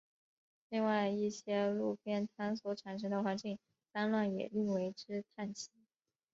另外一些路边摊所产生的环境脏乱也令为之叹息。